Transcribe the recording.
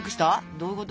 どういうこと？